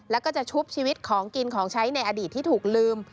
แล้วก็จะชุบชีวิตของกินของใช้ในอดีตที่ถูกลืม